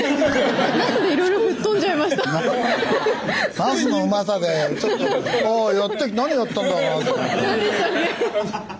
ナスのうまさでちょっとあ何やったんだろうなって。